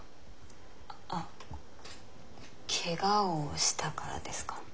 あっけがをしたからですか？